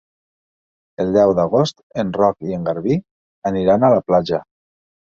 El deu d'agost en Roc i en Garbí aniran a la platja.